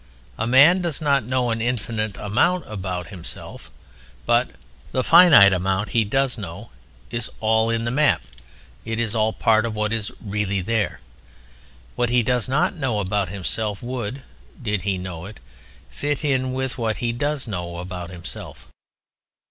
A man does not know an infinite amount about himself. But the finite amount he does know is all in the map; it is all part of what is really there. What he does not know about himself would, did he know it, fit in with what he does know about himself.